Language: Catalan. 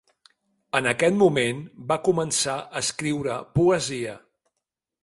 En aquest moment, va començar a escriure poesia.